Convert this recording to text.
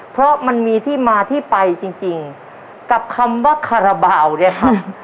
เพราะมันมีที่มาที่ไปจริงกับคำว่าคาราบาลเนี่ยค่ะ